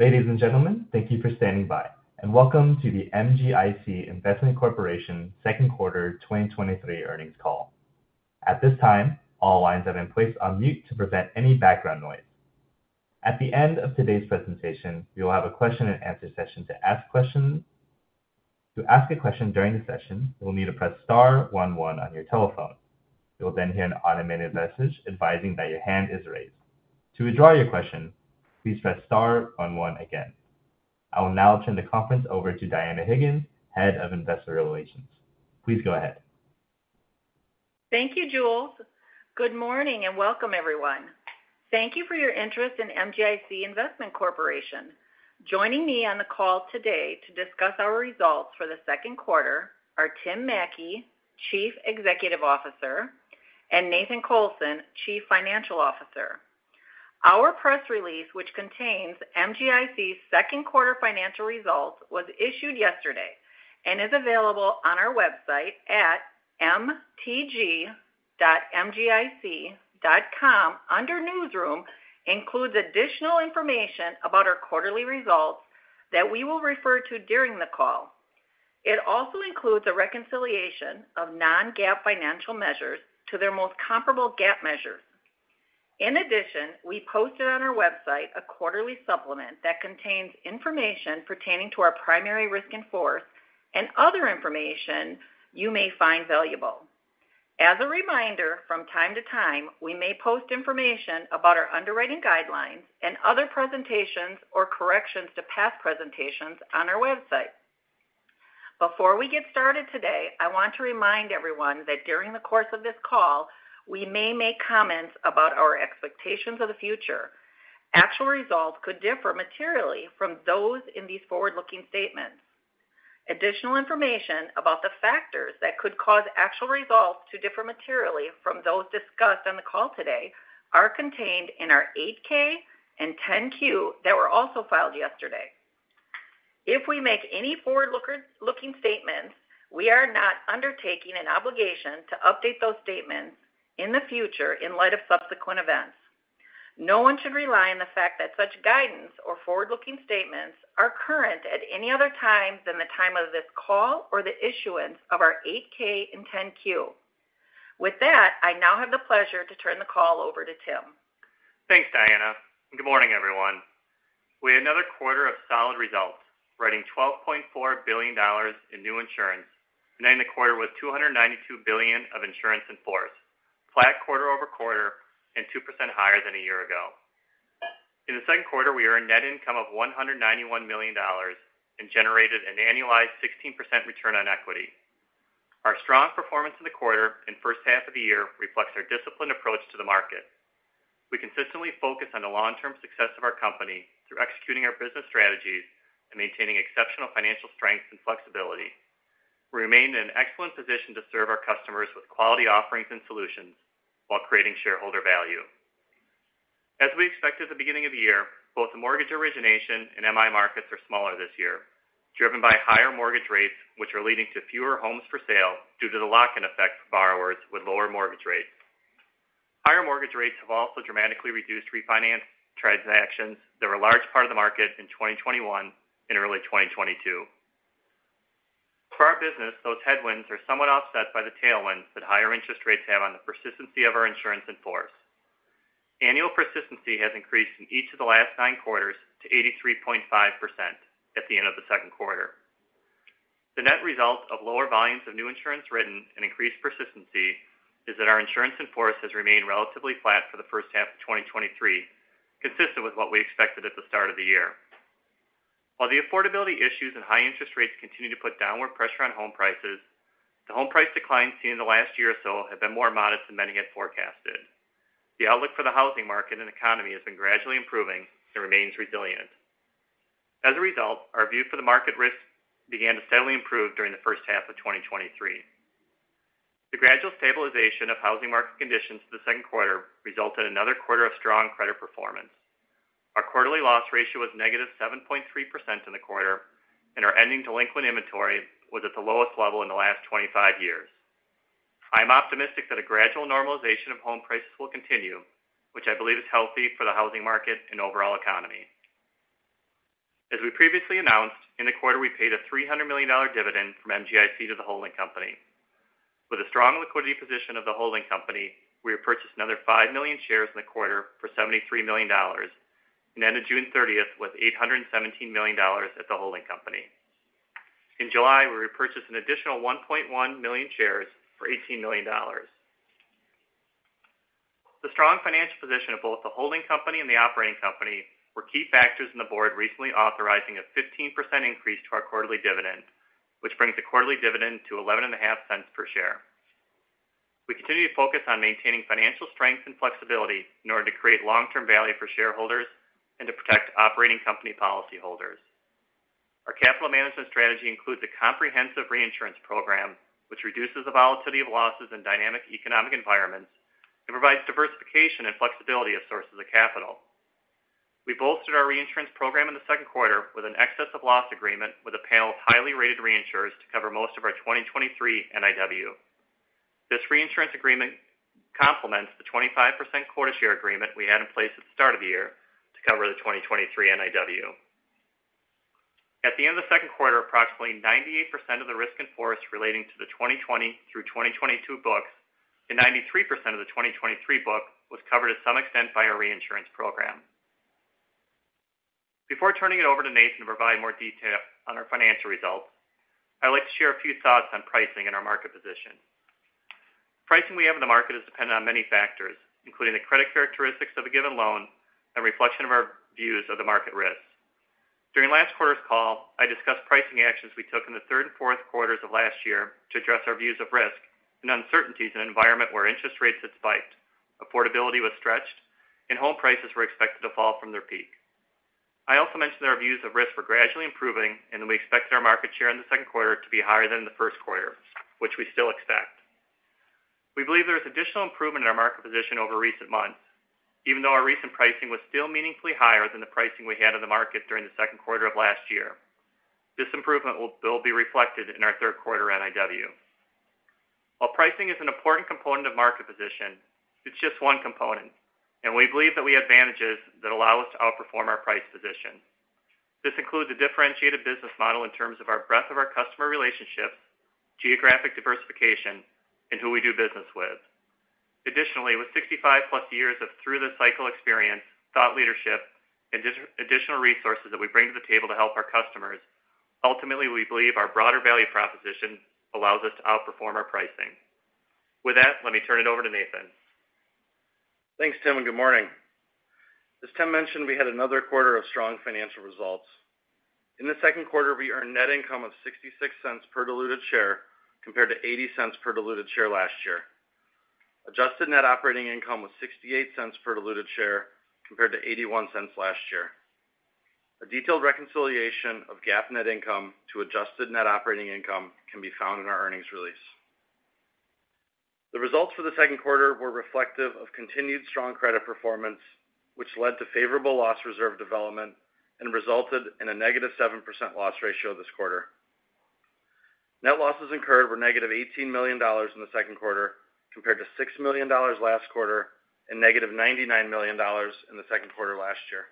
Ladies and gentlemen, thank you for standing by. Welcome to the MGIC Investment Corporation Q2 2023 Earnings Call. At this time, all lines have been placed on mute to prevent any background noise. At the end of today's presentation, we will have a question-and-answer session to ask questions. To ask a question during the session, you will need to press star -one-one on your telephone. You will hear an automated message advising that your hand is raised. To withdraw your question, please press star one one again. I will now turn the conference over to Dianna Higgins, Head of Investor Relations. Please go ahead. Thank you, Jules. Good morning, and welcome, everyone. Thank you for your interest in MGIC Investment Corporation. Joining me on the call today to discuss our results for the Q2 are Tim Mattke, Chief Executive Officer, and Nathan Colson, Chief Financial Officer. Our press release, which contains MGIC's Q2 financial results, was issued yesterday and is available on our website at mgic.com under Newsroom, includes additional information about our quarterly results that we will refer to during the call. It also includes a reconciliation of non-GAAP financial measures to their most comparable GAAP measures. In addition, we posted on our website a quarterly supplement that contains information pertaining to our primary risk in force and other information you may find valuable. As a reminder, from time to time, we may post information about our underwriting guidelines and other presentations or corrections to past presentations on our website. Before we get started today, I want to remind everyone that during the course of this call, we may make comments about our expectations of the future. Actual results could differ materially from those in these forward-looking statements. Additional information about the factors that could cause actual results to differ materially from those discussed on the call today are contained in our Form 8-K and Form 10-Q that were also filed yesterday. If we make any looking statements, we are not undertaking an obligation to update those statements in the future in light of subsequent events. No one should rely on the fact that such guidance or forward-looking statements are current at any other time than the time of this call or the issuance of our Form 8-K and Form 10-Q. With that, I now have the pleasure to turn the call over to Tim. Thanks, Dianna. Good morning, everyone. We had another quarter of solid results, writing $12.4 billion in new insurance, and ending the quarter with $292 billion of insurance in force, flat quarter-over-quarter, and 2% higher than a year ago. In the Q2, we earned net income of $191 million and generated an annualized 16% return on equity. Our strong performance in the quarter and H2 of the year reflects our disciplined approach to the market. We consistently focus on the long-term success of our company through executing our business strategies and maintaining exceptional financial strength and flexibility. We remain in an excellent position to serve our customers with quality offerings and solutions while creating shareholder value. As we expected at the beginning of the year, both the mortgage origination and MI markets are smaller this year, driven by higher mortgage rates, which are leading to fewer homes for sale due to the lock-in effect for borrowers with lower mortgage rates. Higher mortgage rates have also dramatically reduced refinance transactions that were a large part of the market in 2021 and early 2022. For our business, those headwinds are somewhat offset by the tailwinds that higher interest rates have on the persistency of our insurance in force. Annual persistency has increased in each of the last nine quarters to 83.5% at the end of the Q2. The net result of lower volumes of new insurance written and increased persistency is that our insurance in force has remained relatively flat for the H2 of 2023, consistent with what we expected at the start of the year. While the affordability issues and high interest rates continue to put downward pressure on home prices, the home price declines seen in the last year or so have been more modest than many had forecasted. The outlook for the housing market and economy has been gradually improving and remains resilient. As a result, our view for the market risk began to steadily improve during the H2 2023. The gradual stabilization of housing market conditions in the Q2 resulted in another quarter of strong credit performance. Our quarterly loss ratio was negative 7.3% in the quarter, and our ending delinquent inventory was at the lowest level in the past 25 years. I'm optimistic that a gradual normalization of home prices will continue, which I believe is healthy for the housing market and overall economy. As we previously announced, in the quarter, we paid a $300 million dividend from MGIC Investment Corporation to the holding company. With a strong liquidity position of the holding company, we repurchased another 5 million shares in the quarter for $73 million, and ended June 30 with $817 million at the holding company. In July, we repurchased an additional 1.1 million shares for $18 million. The strong financial position of both the holding company and the operating company were key factors in the board recently authorizing a 15% increase to our quarterly dividend, which brings the quarterly dividend to $0.115 per share. We continue to focus on maintaining financial strength and flexibility in order to create long-term value for shareholders and to protect operating company policyholders. Our capital management strategy includes a comprehensive reinsurance program, which reduces the volatility of losses in dynamic economic environments and provides diversification and flexibility of sources of capital. We bolstered our reinsurance program in the Q2 with an excess of loss agreement with a panel of highly rated reinsurers to cover most of our 2023 NIW. This reinsurance agreement complements the 25% quota share agreement we had in place at the start of the year to cover the 2023 NIW. At the end of the Q2, approximately 98% of the risk in force relating to the 2020 through 2022 books, and 93% of the 2023 book was covered to some extent by our reinsurance program. Before turning it over to Nathan to provide more detail on our financial results, I'd like to share a few thoughts on pricing and our market position. Pricing we have in the market is dependent on many factors, including the credit characteristics of a given loan and reflection of our views of the market risks. During last quarter's call, I discussed pricing actions we took in the Q3 and Q4 of last year to address our views of risk and uncertainties in an environment where interest rates had spiked, affordability was stretched, and home prices were expected to fall from their peak. I also mentioned that our views of risk were gradually improving, and that we expected our market share in the Q2 to be higher than in the first quarter, which we still expect. We believe there is additional improvement in our market position over recent months, even though our recent pricing was still meaningfully higher than the pricing we had in the market during the Q2 of last year. This improvement will still be reflected in our Q3 NIW. While pricing is an important component of market position, it's just one component, and we believe that we have advantages that allow us to outperform our price position. This includes a differentiated business model in terms of our breadth of our customer relationships, geographic diversification, and who we do business with. Additionally, with 65 years of through-the-cycle experience, industry thought leadership, and additional resources that we bring to the table to help our customers, ultimately, we believe our broader value proposition allows us to outperform our pricing. With that, let me turn it over to Nathan. Thanks, Tim, good morning. As Tim mentioned, we had another quarter of strong financial results. In the Q2, we earned net income of $0.66 per diluted share, compared to $0.80 per diluted share last year. Adjusted net operating income was $0.68 per diluted share, compared to $0.81 last year. A detailed reconciliation of GAAP net income to adjusted net operating income can be found in our earnings release. The results for the Q2 were reflective of continued strong credit performance, which led to favorable loss reserve development and resulted in a negative 7% loss ratio this quarter. Net losses incurred were negative $18 million in the Q2, compared to $6 million last quarter and negative $99 million in the Q2 last year.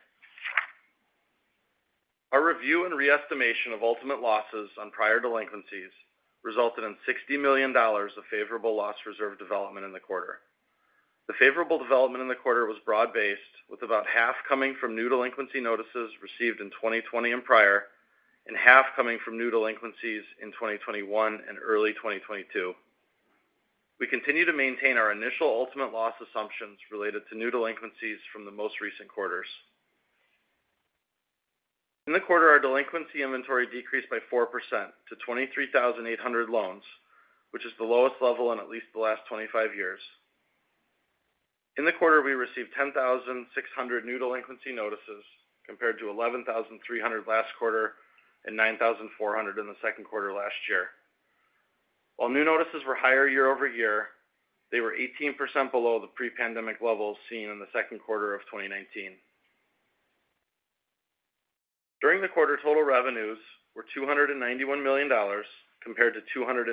Our review and reestimation of ultimate losses on prior delinquencies resulted in $60 million of favorable loss reserve development in the quarter. The favorable development in the quarter was broad-based, with about half coming from new delinquency notices received in 2020 and prior, and half coming from new delinquencies in 2021 and early 2022. We continue to maintain our initial ultimate loss assumptions related to new delinquencies from the most recent quarters. In the quarter, our delinquency inventory decreased by 4% to 23,800 loans, which is the lowest level in at least the last 25 years. In the quarter, we received 10,600 new delinquency notices, compared to 11,300 last quarter and 9,400 in the Q2 last year. While new notices were higher year-over-year, they were 18% below the pre-pandemic levels seen in the Q2 2019. During the quarter, total revenues were $291 million, compared to $293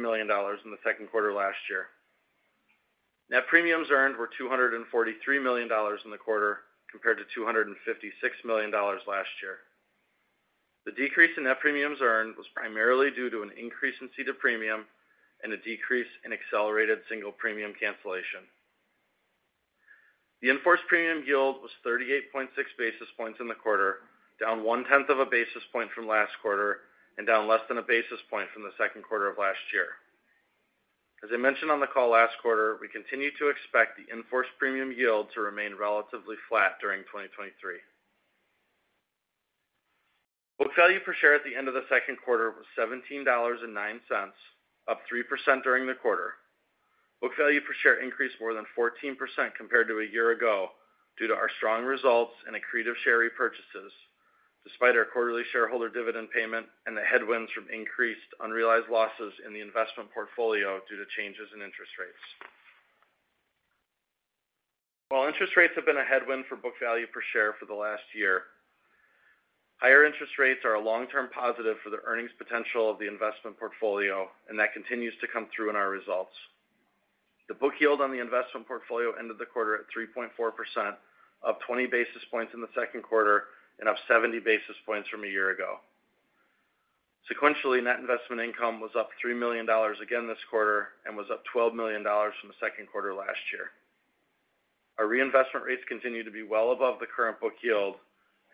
million in the Q2 last year. Net premiums earned were $243 million in the quarter, compared to $256 million last year. The decrease in net premiums earned was primarily due to an increase in ceded premium and a decrease in accelerated single premium cancellation. The insurance -in-force premium yield was 38.6 basis points in the quarter, less down one basis points from last quarter and down less than a basis point from the Q2 of last year. As I mentioned on the call last quarter, we continue to expect the insurance -in-force premium yield to remain relatively flat during 2023. Book value per share at the end of the Q2 was $17.09, up 3% during the quarter. Book value per share increased more than 14% compared to a year ago, due to our strong results and accretive share repurchases, despite our quarterly shareholder dividend payment and the headwinds from increased unrealized losses in the investment portfolio due to changes in interest rates. While interest rates have been a headwind for book value per share for the last year, higher interest rates are a long-term positive for the earnings potential of the investment portfolio, and that continues to come through in our results. The book yield on the investment portfolio ended the quarter at 3.4%, up 20 basis points in the Q2 and up 70 basis points from a year ago. Sequentially, net investment income was up $3 million again this quarter and was up $12 million from the Q2 last year. Our reinvestment rates continue to be well above the current book yield,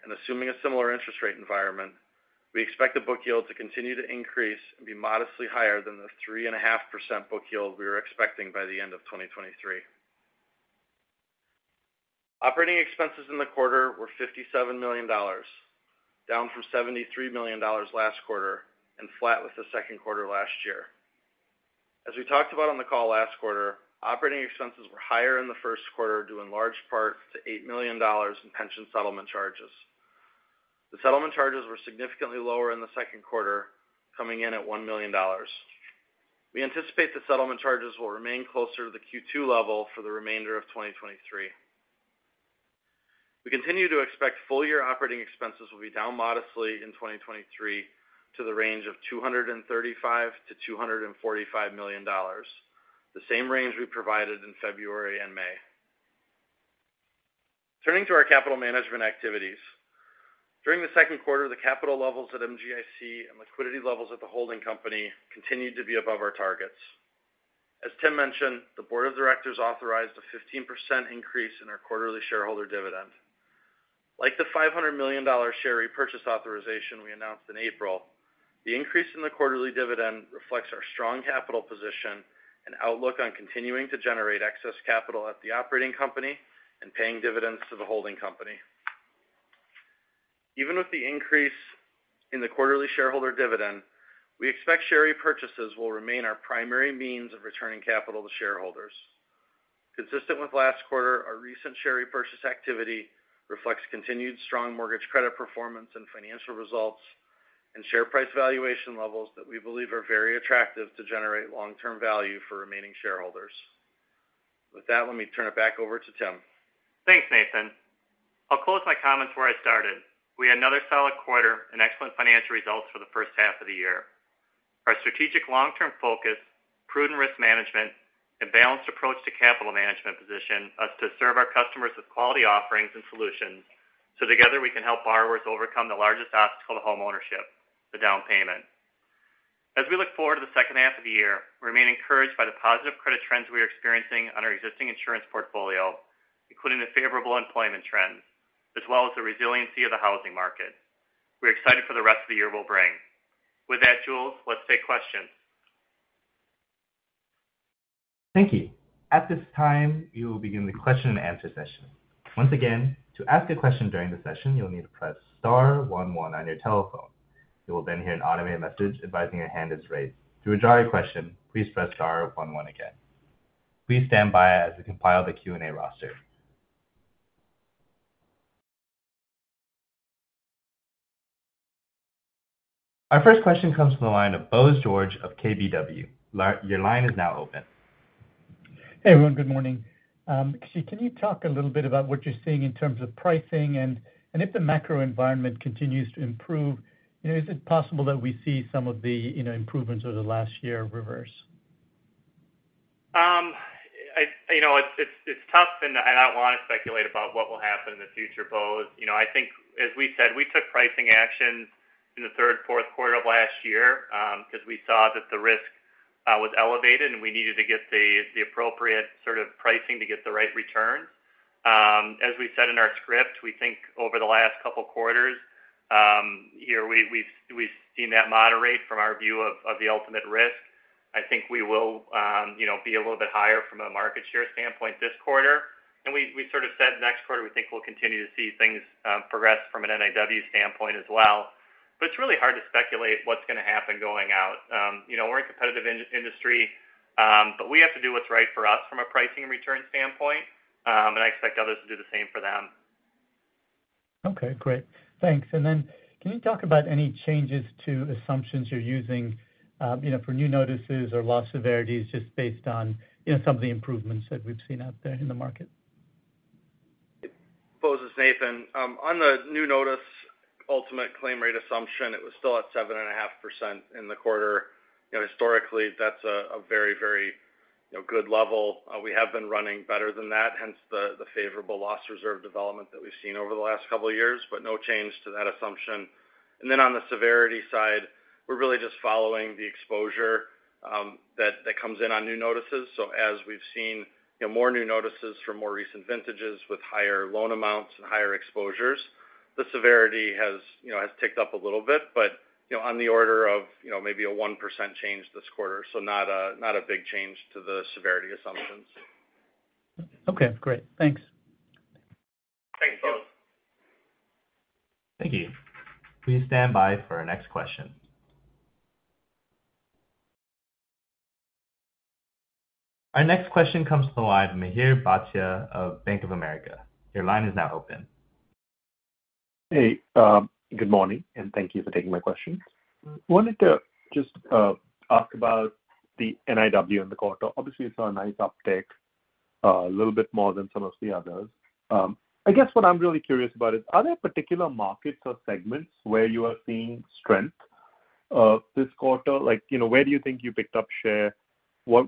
and assuming a similar interest rate environment, we expect the book yield to continue to increase and be modestly higher than the 3.5% book yield we were expecting by the end of 2023. Operating expenses in the quarter were $57 million, down from $73 million last quarter and flat with the Q2 last year. As we talked about on the call last quarter, operating expenses were higher in the Q1, due in large part to $8 million in pension settlement charges. The settlement charges were significantly lower in the Q2, coming in at $1 million. We anticipate the settlement charges will remain closer to the Q2 level for the remainder of 2023. We continue to expect full year operating expenses will be down modestly in 2023 to the range of $235 million to $245 million, the same range we provided in February and May. Turning to our capital management activities. During the Q2, the capital levels at MGIC and liquidity levels at the holding company continued to be above our targets. As Tim mentioned, the board of directors authorized a 15% increase in our quarterly shareholder dividend. Like the $500 million share repurchase authorization we announced in April, the increase in the quarterly dividend reflects our strong capital position and outlook on continuing to generate excess capital at the operating company and paying dividends to the holding company. Even with the increase in the quarterly shareholder dividend, we expect share repurchases will remain our primary means of returning capital to shareholders. Consistent with last quarter, our recent share repurchase activity reflects continued strong mortgage credit performance and financial results, and share price valuation levels that we believe are very attractive to generate long-term value for remaining shareholders. With that, let me turn it back over to Tim. Thanks, Nathan. I'll close my comments where I started. We had another solid quarter and excellent financial results for the H2 of the year. Our strategic long-term focus, prudent risk management, and balanced approach to capital management position us to serve our customers with quality offerings and solutions, so together we can help borrowers overcome the largest obstacle to homeownership, the down payment. As we look forward to the second half of the year, we remain encouraged by the positive credit trends we are experiencing on our existing insurance portfolio, including the favorable employment trends, as well as the resiliency of the housing market. We're excited for the rest of the year will bring. With that, Jules, let's take questions. Thank you. At this time, we will begin the question and answer session. Once again, to ask a question during the session, you'll need to press star one-one on your telephone. You will then hear an automated message advising your hand is raised. To withdraw your question, please press star one-one again. Please stand by as we compile the Q&A roster. Our first question comes from the line of Bose George of KBW. Your line is now open. Hey, everyone. Good morning. Can you talk a little bit about what you're seeing in terms of pricing? If the macro environment continues to improve, is it possible that we see some of the, you know, improvements over the last year reverse? I, you know, it's tough, and I don't want to speculate about what will happen in the future, Bose. You know, I think as we said, we took pricing actions in the third, fourth quarter of last year, because we saw that the risk was elevated, and we needed to get the appropriate sort of pricing to get the right return. As we said in our script, we think over the last couple of quarters, here we've seen that moderate from our view of the ultimate risk. I think we will, you know, be a little bit higher from a market share standpoint this quarter. We, we sort of said next quarter, we think we'll continue to see things progress from an NIW standpoint as well. It's really hard to speculate what's going to happen going out. You know, we're in a competitive industry, but we have to do what's right for us from a pricing return standpoint, and I expect others to do the same for them. Okay, great. Thanks. Can you talk about any changes to assumptions you're using, you know, for new notices or loss severities, just based on, you know, some of the improvements that we've seen out there in the market? Bose, it's Nathan. On the new notice, ultimate claim rate assumption, it was still at 7.5% in the quarter. You know, historically, that's a very good level. We have been running better than that, hence the, the favorable loss reserve development that we've seen over the last couple of years, but no change to that assumption. On the severity side, we're really just following the exposure that, that comes in on new notices. So as we've seen, you know, more new notices from more recent vintages with higher loan amounts and higher exposures, the severity has ticked up a little bit, but, you know, on the order of maybe a 1% change this quarter, so not a big change to the severity assumptions. Okay, great. Thanks. Thanks, Bose. Thank you. Please stand by for our next question. Our next question comes from the line of Mihir Bhatia of Bank of America. Your line is now open. Hey, good morning, and thank you for taking my question. I wanted to just ask about the NIW in the quarter. Obviously, you saw a nice uptick, a little bit more than some of the others. I guess what I'm really curious about is, are there particular markets or segments where you are seeing strength this quarter? Like, where do you think you picked up share? What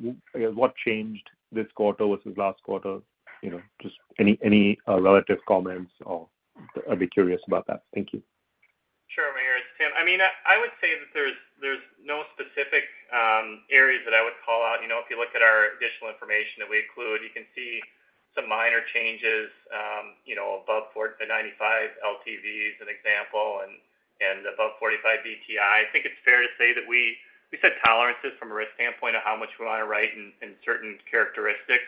changed this quarter versus last quarter? You know, just any, any relative comments, or I'd be curious about that. Thank you. Sure, Mihir. It's Tim. I mean, I would say that there's no specific areas that I would call out. You know, if you look at our additional information that we include, you can see some minor changes above 40% to 95% LTV is an example. Above 45% DTI. I think it's fair to say that we set tolerances from a risk standpoint of how much we want to write in certain characteristics.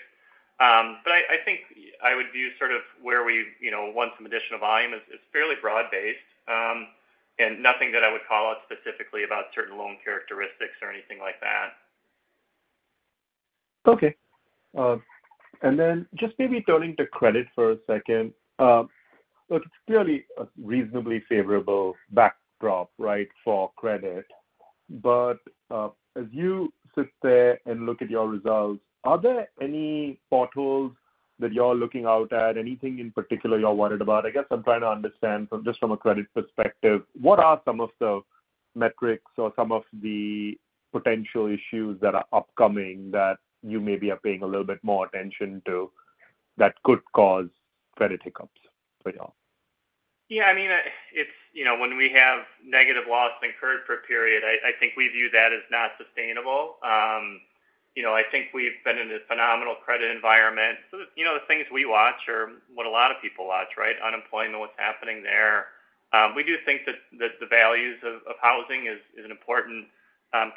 I think I would view sort of where we, you know, want some additional volume is fairly broad-based, and nothing that I would call out specifically about certain loan characteristics or anything like that. Okay. Just maybe turning to credit for a second. It's clearly a reasonably favorable backdrop, right, for credit? As you sit there and look at your results, are there any potholes that you're looking out at? Anything in particular you're worried about? I guess I'm trying to understand from, just from a credit perspective, what are some of the metrics or some of the potential issues that are upcoming that you maybe are paying a little bit more attention to that could cause credit hiccups for you all? Yeah, I mean when we have negative losses incurred per period, I think we view that as not sustainable. You know, I think we've been in a phenomenal credit environment. You know, the things we watch are what a lot of people watch, right? Unemployment, what's happening there. We do think that, that the values of, of housing is, is an important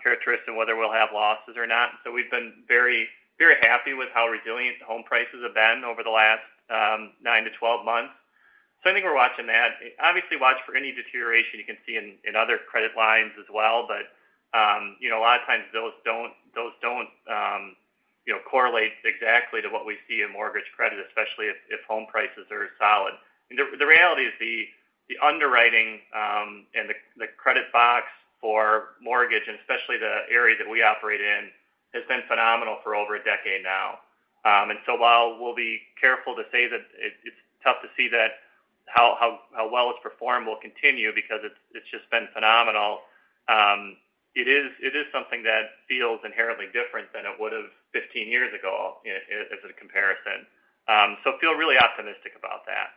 characteristic of whether we'll have losses or not. We've been very, very happy with how resilient home prices have been over the last nine to 12 months. I think we're watching that. Obviously, watch for any deterioration you can see in, in other credit lines as well. You know, a lot of times those don't, those don't, correlate exactly to what we see in mortgage credit, especially if, if home prices are solid. The, reality is the underwriting, and the, credit box for mortgage, and especially the area that we operate in, has been phenomenal for over a decade now. So while we'll be careful to say that it, it's tough to see that how, how, how well it's performed will continue because it's, it's just been phenomenal. It is, it is something that feels inherently different than it would have 15 years ago, as, as a comparison. So feel really optimistic about that.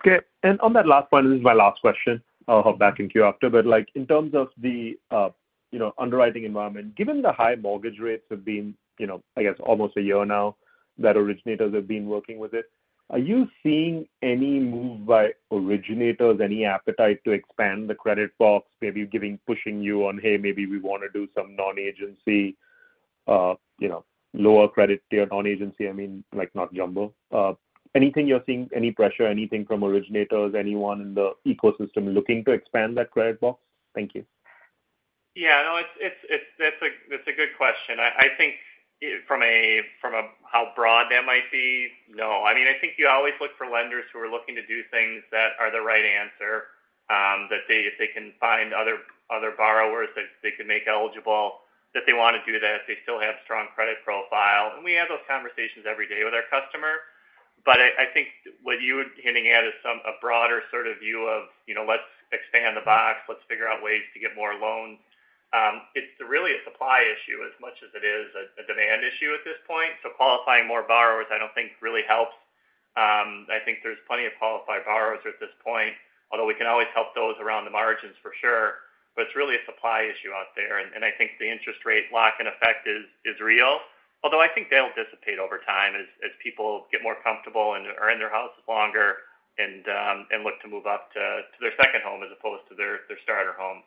Okay. On that last point, this is my last question. I'll hop back in queue after. Like, in terms of the, you know, underwriting environment, given the high mortgage rates have been, you know, I guess almost a year now, that originators have been working with it, are you seeing any move by originators, any appetite to expand the credit box? Maybe pushing you on, "Hey, maybe we want to do some non-agency, you know, lower credit tier non-agency," I mean, like, not jumbo. Anything you're seeing, any pressure, anything from originators, anyone in the ecosystem looking to expand that credit box? Thank you. Yeah, no, that's a good question. I, I think from a, from a how broad that might be, no. I mean, I think you always look for lenders who are looking to do things that are the right answer, that they-- if they can find other, other borrowers that they can make eligible, that they want to do that, they still have strong credit profile. We have those conversations every day with our customer. I, I think what you were hinting at is some- a broader sort of view of, you know, let's expand the box, let's figure out ways to get more loans. It's really a supply issue as much as it is a, a demand issue at this point. Qualifying more borrowers, I don't think really helps. I think there's plenty of qualified borrowers at this point, although we can always help those around the margins for sure. It's really a supply issue out there, and, and I think the interest rate lock-in effect is, is real. I think that'll dissipate over time as, as people get more comfortable and are in their houses longer and look to move up to, to their second home as opposed to their, their starter home.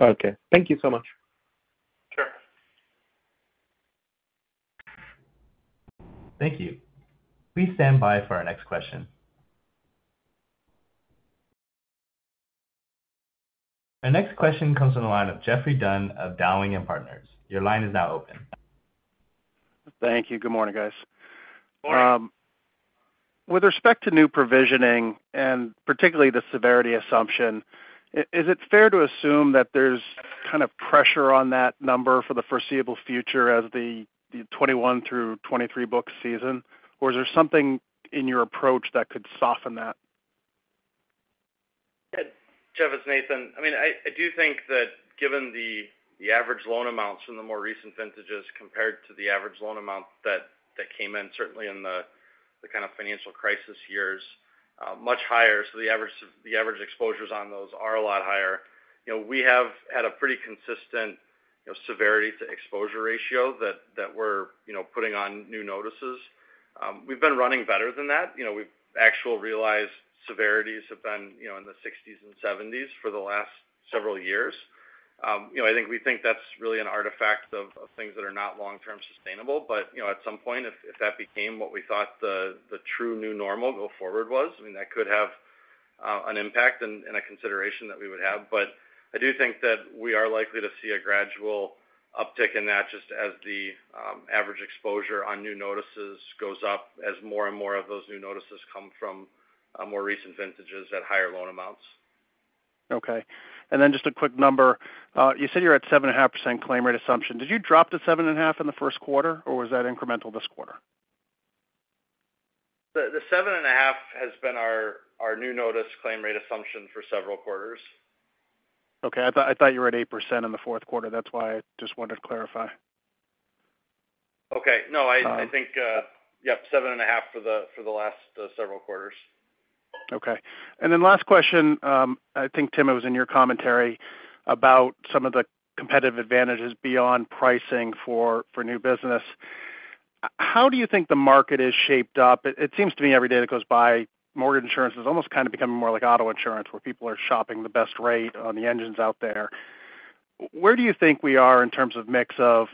Okay. Thank you so much. Sure. Thank you. Please stand by for our next question. Our next question comes from the line of Geoffrey Dunn of Dowling & Partners. Your line is now open. Thank you. Good morning, guys. Morning. With respect to new provisioning, and particularly the severity assumption, is it fair to assume that there's kind of pressure on that number for the foreseeable future as the 2021 through 2023 book season? Is there something in your approach that could soften that? Yeah. Jeff, it's Nathan. I mean, I do think that given the, the average loan amounts from the more recent vintages compared to the average loan amount that, that came in, certainly in the, the kind of financial crisis years, much higher. The average, the average exposures on those are a lot higher. You know, we have had a pretty consistent, you know, severity to exposure ratio that, that we're, you know, putting on new notices. We've been running better than that. You know, we've actual realized severities have been, you know, in the 60s and 70s for the last several years. You know, I think we think that's really an artifact of, of things that are not long-term sustainable. You know, at some point, if, if that became what we thought the true new normal go forward was, I mean, that could have an impact and a consideration that we would have. I do think that we are likely to see a gradual uptick in that, just as the average exposure on new notices goes up, as more and more of those new notices come from more recent vintages at higher loan amounts. Okay. Then just a quick number. You said you're at 7.5% claim rate assumption. Did you drop to 7.5% in the Q1, or was that incremental this quarter? The 7.5% has been our new notice claim rate assumption for several quarters. Okay. I thought, I thought you were at 8% in the fourth quarter. That's why I just wanted to clarify. Okay. No. Um-... I think, yep, 7.5% for the, for the last, several quarters. Okay. Last question. I think, Tim, it was in your commentary about some of the competitive advantages beyond pricing for new business. How do you think the market is shaped up? It seems to me every day that goes by, mortgage insurance is almost kind of becoming more like auto insurance, where people are shopping the best rate on the engines out there. Where do you think we are in terms of mix of,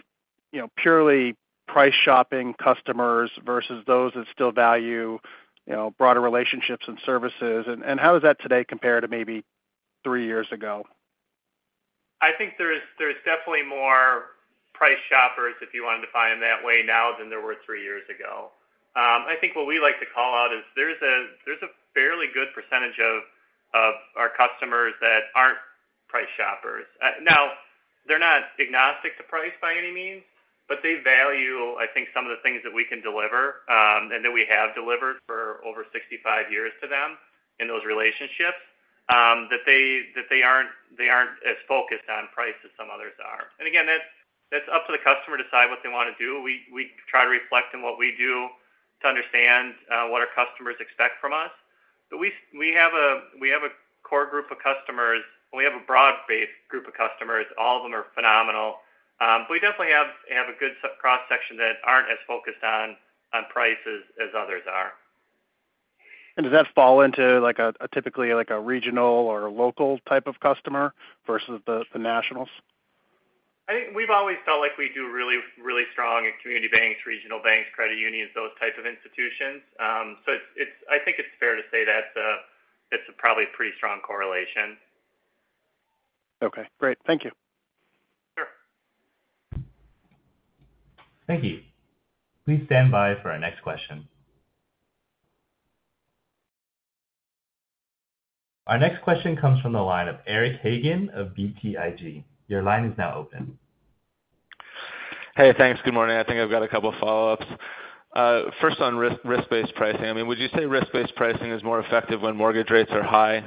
you know, purely price shopping customers versus those that still value, you know, broader relationships and services? How does that today compare to maybe three years ago?... I think there's, there's definitely more price shoppers, if you wanted to define them that way now, than there were three years ago. I think what we like to call out is there's a, there's a fairly good percentage of, of our customers that aren't price shoppers. Now, they're not agnostic to price by any means, but they value, I think, some of the things that we can deliver, and that we have delivered for over 65 years to them in those relationships, that they, that they aren't, they aren't as focused on price as some others are. Again, that's, that's up to the customer to decide what they want to do. We, we try to reflect in what we do to understand, what our customers expect from us. We have a core group of customers, and we have a broad-based group of customers. All of them are phenomenal. We definitely have a good sub cross-section that aren't as focused on, on prices as others are. Does that fall into, like, a typically, like, a regional or local type of customer versus the nationals? I think we've always felt like we do really, really strong in community banks, regional banks, credit unions, those types of institutions. I think it's fair to say that's a, it's probably a pretty strong correlation. Okay, great. Thank you. Sure. Thank you. Please stand by for our next question. Our next question comes from the line of Eric Hagen of BTIG. Your line is now open. Hey, thanks. Good morning. I think I've got a couple follow-ups. First, on risk, risk-based pricing. I mean, would you say risk-based pricing is more effective when mortgage rates are high,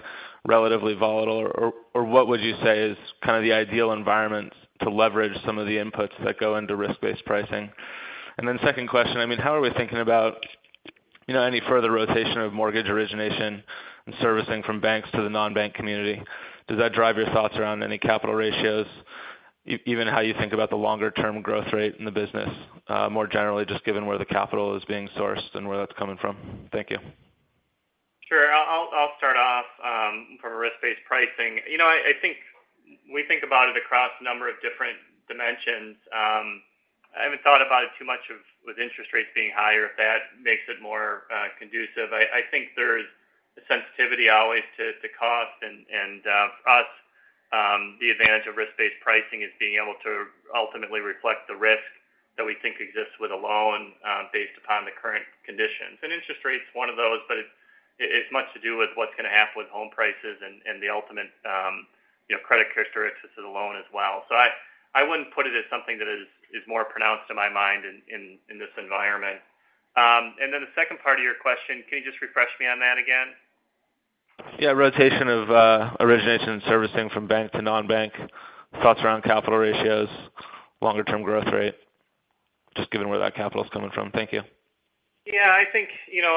relatively volatile? Or, or what would you say is kind of the ideal environment to leverage some of the inputs that go into risk-based pricing? Second question, I mean, how are we thinking about, you know, any further rotation of mortgage origination and servicing from banks to the non-bank community? Does that drive your thoughts around any capital ratios, even how you think about the longer-term growth rate in the business, more generally, just given where the capital is being sourced and where that's coming from? Thank you. Sure. I'll, I'll start off from a risk-based pricing. You know, I think we think about it across a number of different dimensions. I haven't thought about it too much of, with interest rates being higher, if that makes it more conducive. I think there's a sensitivity always to, to cost. And, and us, the advantage of risk-based pricing is being able to ultimately reflect the risk that we think exists with a loan, based upon the current conditions. Interest rate's one of those, but it, it's much to do with what's going to happen with home prices and, and the ultimate, you know, credit characteristics of the loan as well. I wouldn't put it as something that is, is more pronounced in my mind in this environment. Then the second part of your question, can you just refresh me on that again? Yeah, rotation of origination and servicing from bank to non-bank, thoughts around capital ratios, longer term growth rate, just given where that capital is coming from. Thank you. Yeah, I think, you know,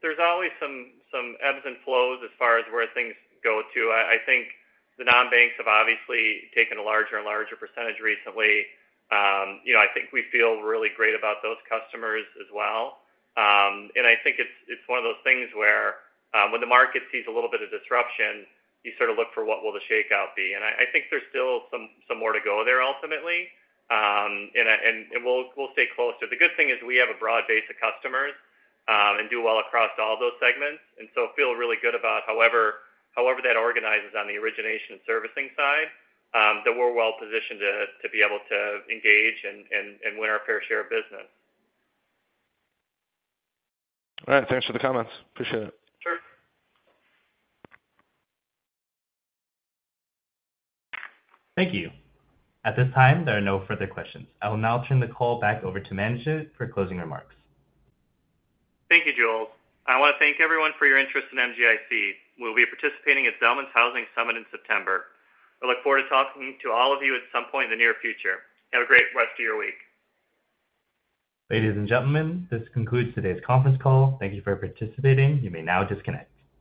there's always some, some ebbs and flows as far as where things go to. I, think the non-banks have obviously taken a larger and larger percentage recently. You know, I think we feel really great about those customers as well. I think it's, it's one of those things where, when the market sees a little bit of disruption, you sort of look for what will the shakeout be. I, I think there's still some, some more to go there ultimately. And we'll, we'll stay close to it. The good thing is we have a broad base of customers, and do well across all those segments, and so feel really good about however, however that organizes on the origination and servicing side, that we're well positioned to, to be able to engage and, and, and win our fair share of business. All right, thanks for the comments. Appreciate it. Sure. Thank you. At this time, there are no further questions. I will now turn the call back over to Tim Mattke for closing remarks. Thank you, Jules. I want to thank everyone for your interest in MGIC. We'll be participating at Zelman Housing Summit in September. We look forward to talking to all of you at some point in the near future. Have a great rest of your week. Ladies and gentlemen, this concludes today's conference call. Thank you for participating. You may now disconnect.